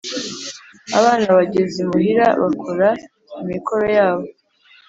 abana bageze imuhira bakora imikoro yabo